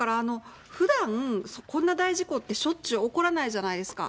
ふだん、こんな大事故ってしょっちゅう起こらないじゃないですか。